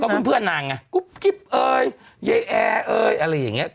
ก็เพื่อนนางน่ะกุ๊บกิ๊บเอ้ยเย้แอ้เอ้ยอะไรอย่างนี้